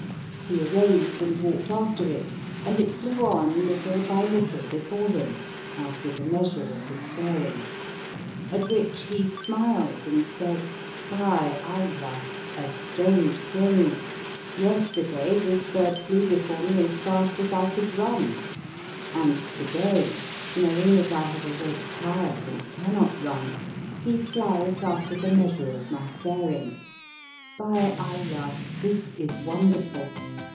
He arose and walked after it, and it flew on little by little before him, after the measure of his faring; at which he smiled and said, "By Allah, a strange thing! Yesterday, this bird flew before me as fast as I could run, and to day, knowing that I have awoke tired and cannot run, he flieth after the measure of my faring. By Allah, this is wonderful!